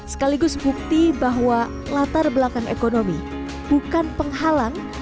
sekaligus bukti bahwa latar belakang ekonomi bukan penghalang